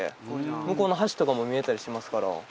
向こうの橋とかも見えたりしていますから。